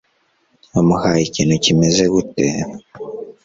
wamuhaye ikintu kimeze gute